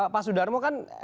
pak sudarmo kan